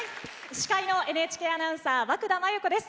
司会のＮＨＫアナウンサー和久田麻由子です。